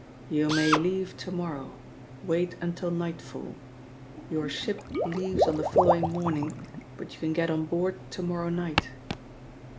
"You may leave to morrow. Wait until nightfall. Your ship leaves on the following morning, but you can get on board to morrow night."